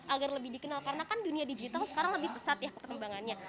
agar lebih dikenal karena kan dunia digital sekarang lebih pesat ya perkembangannya